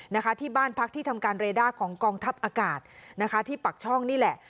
นะคะที่บ้านพักที่ทำการเรด้าของกองทัพอากาศนะคะที่ปักช่องนี่แหละ